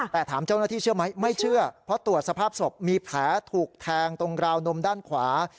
แต่ถามเจ้าหน้าที่เชื่อไหมไม่เชื่อเพราะตรวจสภาพศพมีแผลถูกแทงตรงราวนมด้านขวา